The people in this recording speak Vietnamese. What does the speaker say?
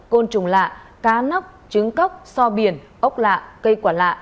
côn trùng lạ cá nóc trứng cóc so biển ốc lạ cây quả lạ